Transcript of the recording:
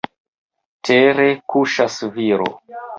Tere kuŝas viro.